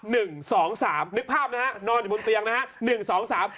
นึกภาพนะฮะนอนอยู่บนเตียงนะฮะ